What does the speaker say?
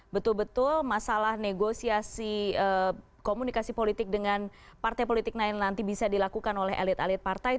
betul betul masalah negosiasi komunikasi politik dengan partai politik lain nanti bisa dilakukan oleh elit elit partai